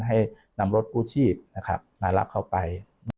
ให้นำรถกู้ชีพมารับเขาไป